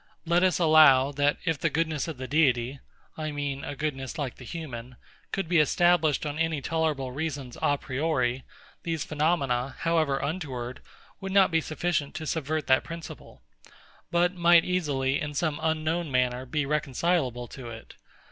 Let us allow, that, if the goodness of the Deity (I mean a goodness like the human) could be established on any tolerable reasons a priori, these phenomena, however untoward, would not be sufficient to subvert that principle; but might easily, in some unknown manner, be reconcilable to it.